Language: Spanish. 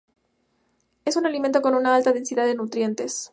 Es un alimento con una alta densidad de nutrientes.